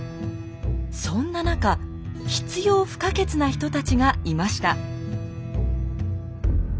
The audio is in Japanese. そんな中必要不可欠な人たちがいました。